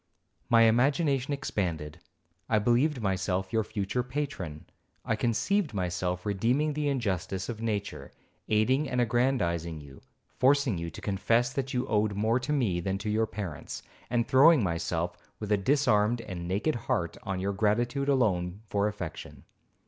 My imagination expanded. I believed myself your future patron, I conceived myself redeeming the injustice of nature, aiding and aggrandizing you, forcing you to confess that you owed more to me than to your parents, and throwing myself, with a disarmed and naked heart, on your gratitude alone for affection.